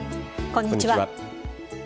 こんにちは。